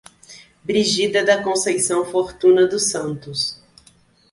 Brigida da Conceição Fortuna dos Santos